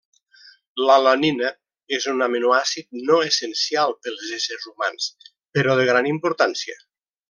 L'alanina és un aminoàcid no essencial pels éssers humans, però de gran importància.